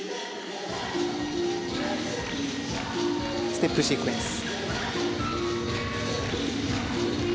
ステップシークエンス。